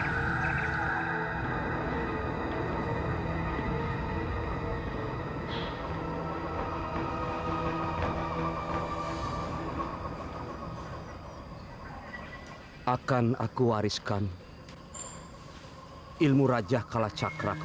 saya juga ingin mulai kabin kita sendiri dan seumurh lagi refuge